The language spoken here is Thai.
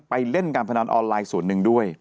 เล่นการพนันออนไลน์ส่วนหนึ่งด้วย